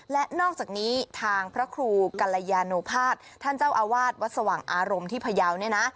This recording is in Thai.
และนอกจากนี้ทางพระครูกัลยาโนภาษท่านเจ้าอาวาสวัดสว่างอารมณ์ที่พยาวเนี่ยนะ